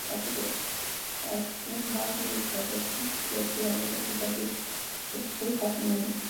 La coloración base de cabeza, cuerpo y aletas es azul oscuro, casi negro.